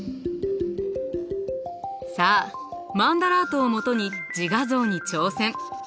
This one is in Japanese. さあマンダラートをもとに自画像に挑戦。